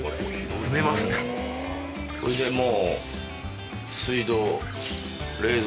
これでもう。